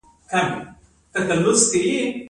آیا غلامي ذلت دی؟